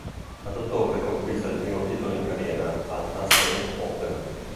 Ad ottobre conquista il primo titolo in carriera, al Tashkent Open.